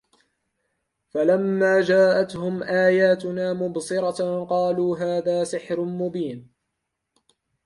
فَلَمّا جاءَتهُم آياتُنا مُبصِرَةً قالوا هذا سِحرٌ مُبينٌ